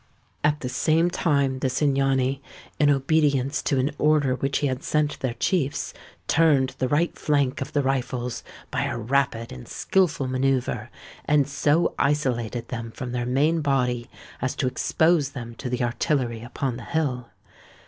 At the same time the Cingani, in obedience to an order which he had sent their chiefs, turned the right flank of the rifles by a rapid and skilful manœuvre, and so isolated them from their main body as to expose them to the artillery upon the hill.